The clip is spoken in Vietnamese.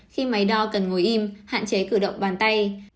khi máy đo cần ngồi im hạn chế cử động bàn tay